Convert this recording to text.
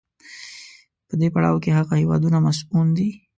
په دې پړاو کې هغه هېوادونه مصون دي.